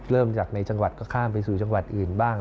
เริ่มจากในจังหวัดก็ข้ามไปสู่จังหวัดอื่นบ้าง